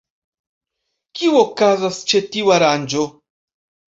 Kio okazas ĉe tiu aranĝo?